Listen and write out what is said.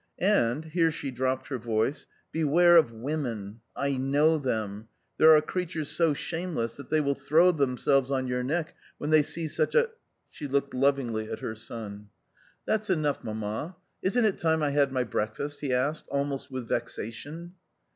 And," here she dropped her voice, " beware of women L J kno w them. There are creatures so s &ame less, that thejL^iU throw themselves o n yo ur ne ck wh en they see such a— —" She Tooked lovingly at her son. A COMMON STORY i$ " That's enough, mamma ; isn't it time I had my break fast?" he asked almost with vexation.